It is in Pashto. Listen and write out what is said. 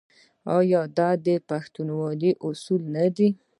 آیا دا د پښتونولۍ اصول نه دي؟